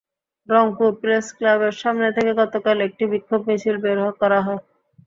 রংপুর প্রেসক্লাবের সামনে থেকে গতকাল একটি বিক্ষোভ মিছিল বের করা হয়।